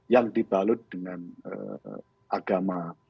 yang dibalut dengan agama